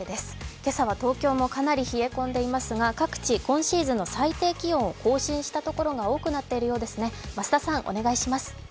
今朝は東京もかなり冷え込んでいますが、各地、今シーズンの最低気温を更新したところが多くなっているようですね。